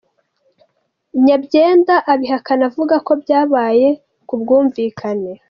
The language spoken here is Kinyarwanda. Nyabyenda abihakana avuga ko byabaye ku bwumvikane.